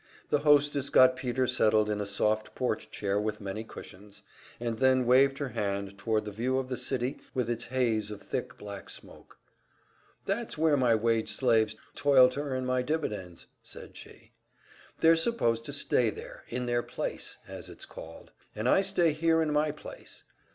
The hostess got Peter settled in a soft porch chair with many cushions, and then waved her hand toward the view of the city with its haze of thick black smoke. "That's where my wage slaves toil to earn my dividends," said she. "They're supposed to stay there in their `place,' as it's called, and I stay here in my place.